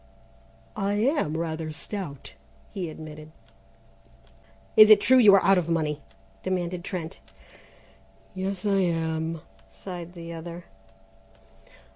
"I am rather stout," he admitted. "Is it true you are out of money?" demanded Trent. "Yes, I am," sighed the other.